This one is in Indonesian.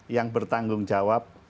yang bertanggung jawab